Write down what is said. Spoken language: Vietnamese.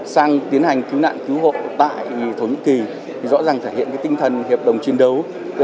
sang tiến hành cứu nạn cứu hộ tại thổ nhĩ kỳ rõ ràng thể hiện tinh thần hiệp đồng chiến đấu